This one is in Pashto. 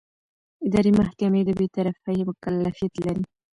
اداري محکمې د بېطرفۍ مکلفیت لري.